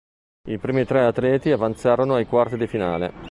I primi tre atleti avanzano ai quarti di finale.